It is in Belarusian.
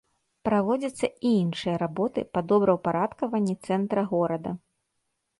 Праводзяцца і іншыя работы па добраўпарадкаванні цэнтра горада.